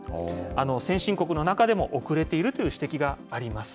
先進国の中でも遅れているという指摘があります。